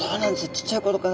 ちっちゃい頃から。